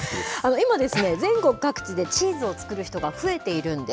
今ですね、全国各地でチーズを作る人が増えているんです。